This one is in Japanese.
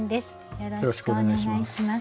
よろしくお願いします。